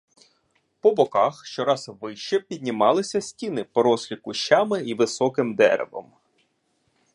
По боках, щораз вище, піднімалися стіни, порослі кущами й високим деревом.